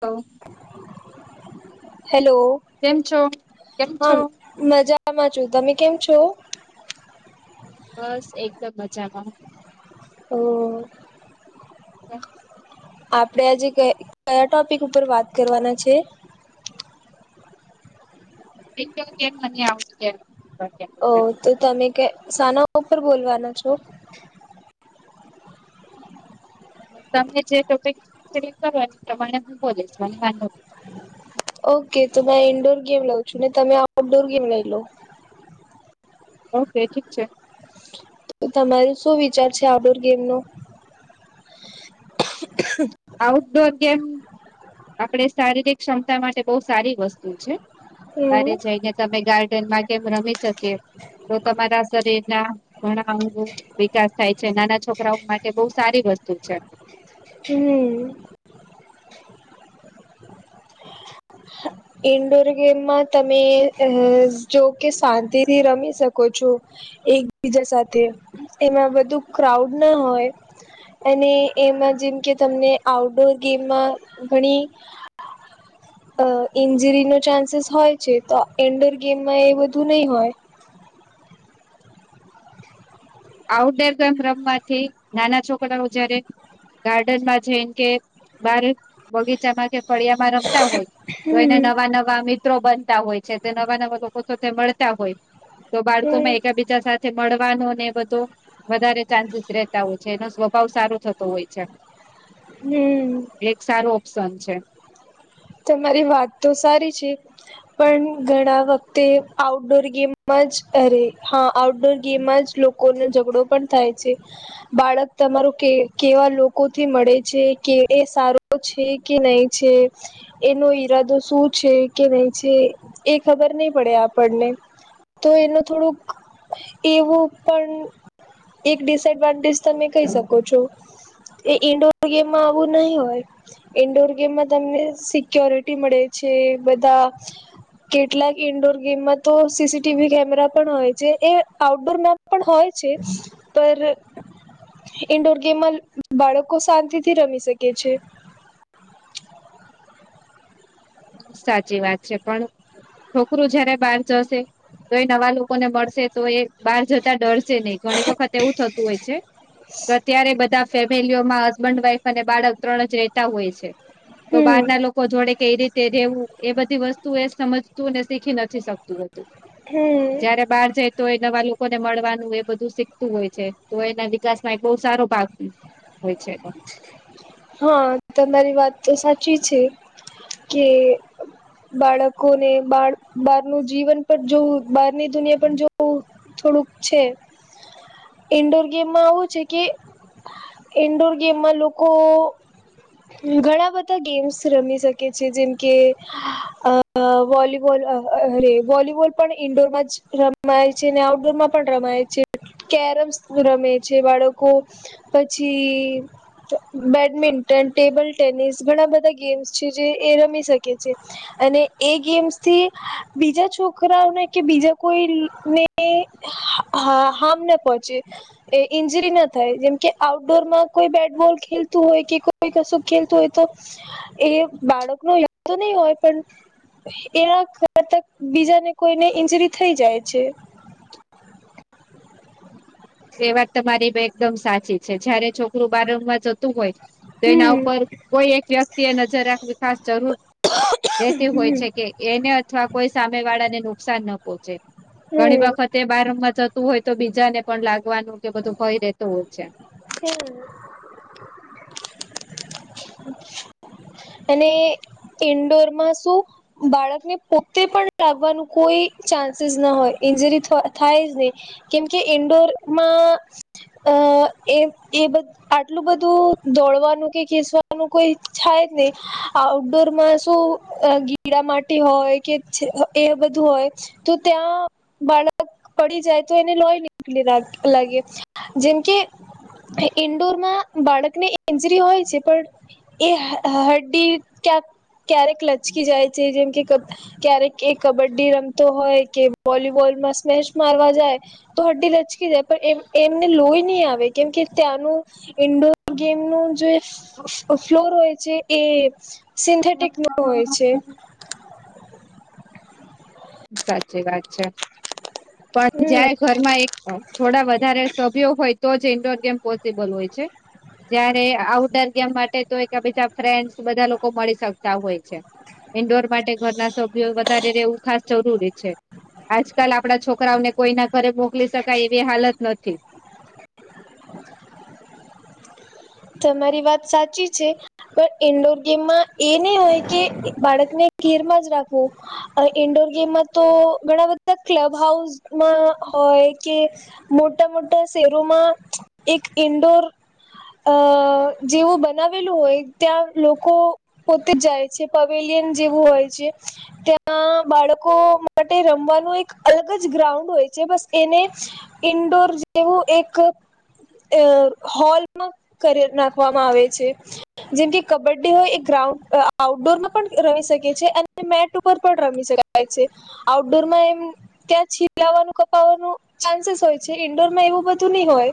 Hello. Hello. કેમ છો, કેમ હા છો? મજામાં છું. તમે કેમ છો? બસ એકદમ મજામાં. ઓ! [unintelligible] આપડે આજે ક કયા ટોપિક ઉપર વાત કરવાના છે. એક તો કેમ મને આવજ કેમ? ઓ તો તમે કે સાના ઉપર બોલવાના છો? તમે જે ટોપિક સિલેક કરો એ પ્રમાણે હું બોલીશ, મને વાંધો નથી. ઓકે તો મે ઇન્ડોર ગેમ લઉં છું ને તમે આઉટડોર ગેમ લઈ લો. ઓકે ઠીક છે. તો તમારો શું વિચાર છે આઉટડોર ગેમનું? હ [unintelligible] આઉટડોર ગમે આપણે શારીરિક ક્ષમતા માટે બહુ સારી વસ્તુ છે. હમ બારે જાઈને તમે ગાર્ડનમાં કે એમ રમી શકે તો તમારા શરીર ના ઘણા વિકાસ થાય છે નાના છોકરાઓ માટે બહુ સારી વસ્તુ છે હમ ઇન્ડોર ગેમમાં તમે જો કે શાંતિથી રમી શકો છો એકબીજા સાથે એમાં બધું ક્રાઉડ ના હોય અને એમાં જેમ કે તમને આઉટડોર ગેમમાં ઘણી અ ઇન્જરીનો ચાન્સીસ હોય છે તો એન્ડોર ગેમમાં એ બધું નહીં હોય આઉટડોર ગેમ રમવાથી નાના છોકરાઓ જયારે ગાર્ડન માં છેમ કે બારક બગીચામાં કે ફળિયામાં રમતા હોય તો એને હમ નવા નવા અિત બનતા હોય છે તે નવા નવા લોકો મળતા હોય તો બાળકો માં હમ એકબીજા સાથે મળવાનો ને બધો વધારે ચાન્સીસ રતા હોય છે એવ ભાવ સારું થતો હોય છે હમ એક સારું ઓપ્શન છે તમારી વાત તો સારી છે પણ ઘણા વખતે આઉટડોર ગેમમાં જ અરે હા આઉટડોર ગેમ જ લોકો લોકોને ઝઘડો પણ થાય છે બાળક તમારું કે કેવા લોકો થી મળે છે કે એ સારું છે કે નહી છે એનો ઈરાદો શું છે કે નહી છે એ ખબર નહી પડે આપણને તો એનું થોડુંક એવું પણ એક ડિસએડવાન્ટેજ તમે કહી શકો છો એ ઈન્ડોર ગેમમાં આવું નહીિ હોય ઈન્ડોર ગેમમાં તમને સિક્યોરિટી મળે છે બધા કેટલાક ઇન્ડોર ગેમમાં તો સીસીટીવી કેમેરા પણ હોય છે એ આઉટડોર મેપ પણ હોય છે પર ઇન્ડોર ગેમમાં બાળકો શાંતિથી રમી શકે છે સાચી વાત છે પણ છોકરું જયારે બહાર જશે તો એ નવા લોકોને મળશે તો એ બહાર જતા ડર છે નહી ઘણી વખત એવું થતું હોય છે અત્યારે બધા ફેમિલીઓમાં હસબન્ડ વાઈફ અને બાળક ત્રણ જ રહેતા હોય છે તો હમ બહારના લોકો લોકો જોડે કઈ રીતે રેવું એ બધી વસ્તુ એ સમજતું ને શીખી નથી શકતું હમ જયારે બહાર જઈ તો એ નવા લોકોને મળવાનું એ બધું શીખતું હોય છે તો એના વિકાસમાં એક બહુ સારો ભાગ છે હોય છે એ હા તમારી વાત સાચી છે કે બાળકોને બ બહારનું જીવન પણ જો બહારની દુનિયા પણ જો થોડુંક છે ઇન્ડોર ગેમમાં આવું છે કે ઇન્ડોર ગેમ લોકો ઘણા બધા ગેમ્સ રમી શકે છે જેમ કે અ વોલીબોલ અરે વોલીબોલ પણ ઈન્ડોરમાં જ રમાય છે ને આઉટડોરમાં પણ રમાય છે કેરમ રમે છે બાળકો પછી બેડમિન્ટન ટેબલ ટેનિસ ઘણા બધા ગેમ્સ છે જે એ રમી શકે છે અને એ ગેમ્સથી બીજા છોકરાઓને કે બીજા કોઈને હાર્મ ના પહોંચે એ ઈન્જરી ના થાય જેમકે આઉટડોરમાં કોઈ બેટબોલ ખેલતું હોય કે કોઈ કશું ખેલતું હોય તો એ બાળક ન તો નહી હોય પણ એના કરત બીજાને કોઈને ઇન્જરી થઈ જાય છે તે વાત તમારી એકદમ સાચી છે જયારે છોકરું બાર રમવા જતું હોય તો એના હમ ઉપર કોઈ એક વ્યક્તિ એ નજર રાખવી ખાસ જરૂર રહેેતી હોય હમ છે કે એને અથવા કોઈ સામે વાળાને નુકસાન ન પહોંચે ઘણી વખતે બાર રમમાં જતું હોય તો બીજાને પણ વાગવાનું કે બધું ભય રેતું હોય છે હ અને ઇન્ડોર માં શું બાળકને પોતે પણ લાવવાનું કોઈ ચાન્સીસ ના હોય ઈન્જરી થાય જ ની કેમકે ઇન્ડોરમાં અ એ એ બધ આટલું બધું દોડવાનું કે ખેસવાનું કોઈ થાય જ નહી આઉટડોરમાં શું અ ગીડા માટી હોય કે એ બધું હોય તો ત્યાં બાળક પડી જાય તો એને લોય નીકળી લગે જેમ કે ઈન્ડોરમાં બાળક ને ઇન્જરી હોય છે પણ એ હડ્ડી ક્યાં ક્યારેક લચકી જાય છે જેમ કે ક ક્યારેક એ કબડ્ડી રમતો હોય કે વોલીબોલમાં સ્મેશ મારવા જાય તો હડી લચકી જાય પણ એમ એમને લોહી નહી આવે કેમ કે ત્યાંનું ઇન્ડોર ગેમ નું જો ફ્લોર હોય છે એ સિન્થેટિક નો હોય છે સાચી વાત છે પણ હમ જાય ઘરમાં એક થોડા વધારે સભ્યો હોય તો જ ઇન્ડોર ગેમ પોસિબલ હોય છે જયારે આઉટડોર ગેમ માટે તો એક બીજા ફ્રેન્ડસ બધા લોકો મળી શકતા હોય છે ઈન્ડોર માટે ઘરના સભ્યો વધારે રેવું ખાસ જરી છે આજકાલ આપણા છોકરાઓને કોઈના ઘરે મોકલી શકાય એવી હાલત નથી તમારી વાત સાચી છે પણ ઈન્ડોર ગેમમાં એ ની હોય કે બાળકને ઘેરમાં જ રાખવું ઇન્ડોર ગેમમાં તો ઘણા બધા ક્લબ હાઉસમાં હોય કે મોટા મોટા શહેરોમાં એક ઇન્ડોર અ જેવું બનાવેલું હોય ત્યાં લોકો પોતે જ જાય છે પવેલિયન જેવું હોય છે ત્યાં બાળકો માટે રમવાનું એક અલગ જ ગ્રાઉન્ડ હોય છે બસ એને ઇન્ડોર જેવું એક અ હોલમાં કરી નાખવામાં આવે છે જેમકે કબડ્ડી હોય એ ગ્રાઉન્ડ આઉટડોરમાં પણ રમી શકે છે અને મેટ ઉપર પણ રમી શકે છે થાઈ છે આઉટડોરમાં એમ ત્યાં છીપલાવાનું કપાવાનું ચાન્સીસ હોય છે ઈન્ડોર માં એવું બધું નહી હોય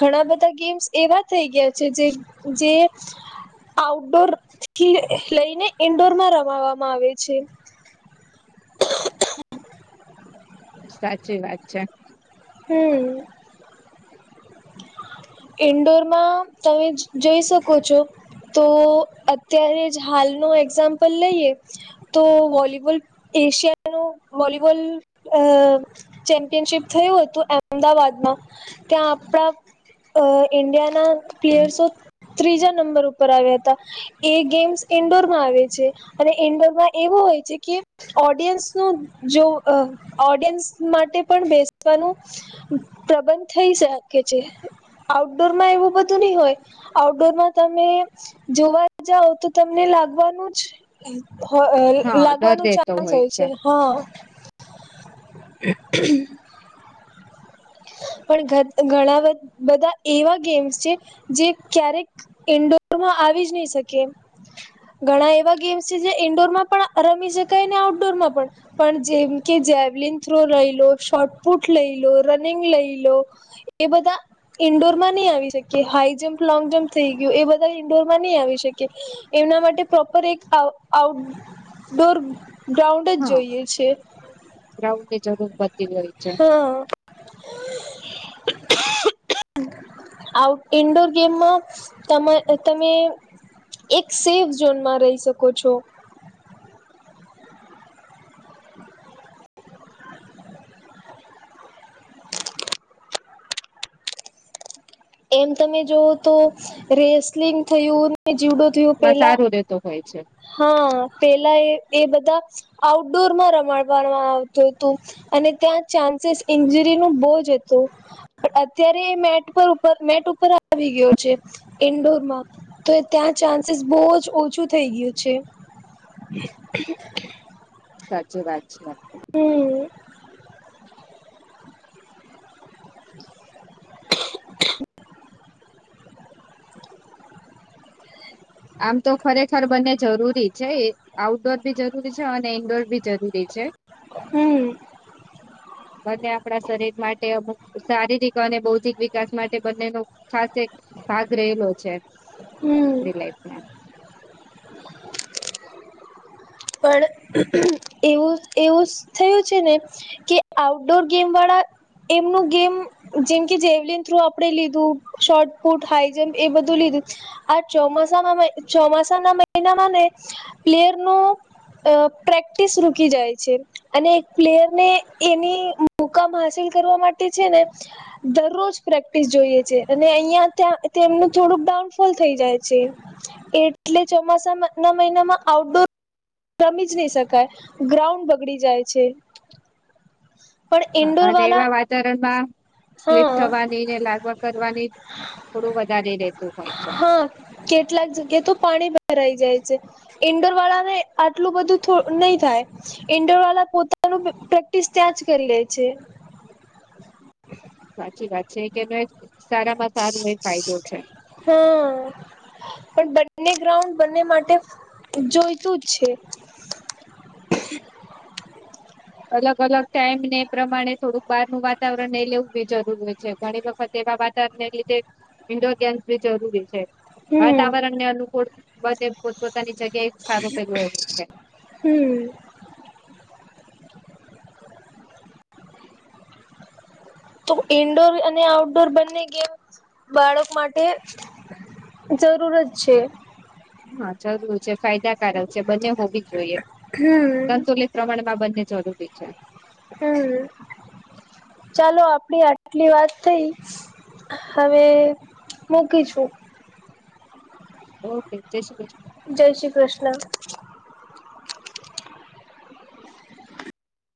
ઘણા બધા ગેમ્સ એવા થઈ ગયા છે જે આઉટડોર થી લઈને ઈન્ડોર માં રમાવામાં આવે છે [inaudible] સાચી વાત છે હમ ઇન્ડોરમાં તમે જઈ શકો છો તો અત્યારે જ હાલનો એક્ઝામ્પલ લઈએ તો વોલીબોલ એશિયા ન વોલીબોલ અ ચેમ્પિયનશીપ થયું હતું અમદાવાદમાં ત્યાં આપણા ઇન્ડિયાના પ્લેયર્સો ત્રીજા નંબર ઉપર આવ્યા હતા એ ગેમ્સ ઈન્ડોર માં આવે છે અને ઈન્ડોર માં એવો હોય છે કે ઓડિયન્સ નું જો ઓડિયન્સ માટે પણ બેસવાનું પ્રબંધ થઇ શકે છે આઉટડોર માં એવું બધું નહી હોય આઉટડોરમાં તમે જોવા જાવ તો તમને લાગવાનું જ હો અ હા ડર લાગવાનું રહેતો ચાન્સ હોય છે. હ પણ ઘણા બધા એવા ગેમ્સ છે જે ક્યારેક ઈન્ડોર માં આવી જ નહી શકે ઘણા એવા ગેમ્સ છે જે ઈન્ડોરમાં પણ રમી શકાય ને આઉટડોરમાં પણ પણ જેમ કે જેવલન થ્રો લઈ લો, શોર્ટપુટ લઈ લો, રનિંગ લઈ લો એ બધા ઈન્ડોરમાં ની આવી શકે, હાઈ જમ્પ લોંગ, જમ્પ થઈ ગયું એ બધા ઈન્ડોરમાં ની આવી શકે. એમના માટે પ્રોપર એક આઉ-આઉટડોર ગ્રાઉન્ડ જ જોઈએ છે. ગ્રાઉન્ડની જરૂર બ હન. આઉટ ઇન્ડોર ગેમમાં તમા તમે એક સેફ ઝોનમાં રઈ શકો છો. એમ તમે જોવો તો રેસલિંગ થયું, ને જીવડો થયું એમાં પેલા, સારું રહેતો હોય છે હન પેલા એ એ બધા આઉટડોરમાં રમાડવાનું આવતું તું. અને ત્યાં ચાન્સીસ ઇન્જરીનું બઉ જ હતું, પણ અત્યારે એ મેટ પર પ મેટ ઉપર આવી ગયો છે, ઇન્ડોરમાં તે ત્યાં ચાન્સીસ બઉ જ ઓછું થઈ ગયું છે. સાચું વાત છે આ. હમ્મ. [inaudible] આમ તો ખરેખર બંને જરૂરી છે આઉટડોર બી જરૂરી છે અને ઇન્ડોર બી જરૂરી છે. હમ્મ. બંને આપડા શરીર માટે અમુક શારીરિક અને બૌદ્ધિક વિકાસ માટે બંનેનો ફાસ્ટ એક ભાગ રહેલો છે. હમ આપડી લાઈફમાં. પણ એવું એવું સ થયું છે ને કે આઉટડોર ગેમવાળા એમનું ગેમ જેમ કે જેવલીન થ્રો આપડે લીધું, શોર્ટપુટ, હાઈ જમ્પ એ બધું લીધું આ ચોમાસામાં મઈ ચોમાસાના મહિનામાં ને પ્લેયરનું અ પ્રેક્ટિસ રૂકી જાય છે. અને એક પ્લેયરને એની મુકામ હાસિલ કરવા માટે છે ને દરરોજ પ્રેક્ટિસ જોઈએ છે. અને અહિયાં ત્યાં તેમનું થોડુંક ડાઉનફોલ થઈ જાય છે. એટલે ચોમાસામાં ના મહિનામાં આઉટડોર રમી જ નઈ શકાય, ગ્રાઉન્ડ બગડી જાય છે. પણ હા, ઇન્ડોર અન એવા વાલા વાતાવરણમાં સ્લીપ હા થવાનીને લાગવા કરવાની થોડું વધારે રેતું હોય છે. હા કેટલાક જગ્યાએ તો પાણી ભરાઈ જાય છે. ઈન્ડોર વાળાને આટલું બધું થો નઈ થાય. ઇન્ડોરવાલા પોતાનું પ-પેક્ટિસ ત્યાં જ કર લે છે. [inaudible] સાચી વાત છે. એક એનો એક સારામાં સારો એ ફાયદો છે. હન. પણ બંને ગ્રાઉન્ડ બંને માટે જોઈતું જ છે. અલગ-અલગ ટાઈમને એ પ્રમાણે થોડુંક બહારનું વાતાવરણ લઈ લેવું બી જરૂર હોય છે. ઘણી વખત એવા વાતાવરણને લીધે ઈન્ડોર ગેમ્સ બી જરૂરી છે. હમ વાતાવરણને અનુકૂળ બધે પોત-પોતાની જગ્યાએ સારું પેલું એવું હોય છે. હમ તો ઇન્ડોર અને આઉટડોર બંને ગેમ બાળક માટે જરૂર જ છે. હા, જરૂર છે, ફાયદાકારક છે, બંને હોવી જોઈએ. હમ સંતુલિત પ્રમાણમાં બંને જરૂરી છે. હમ, ચલો આપડી આટલી વાત થઈ હવે મૂકીશું. ઓકે જય શ્રી કૃષ્ણ જય શ્રી કૃષ્ણ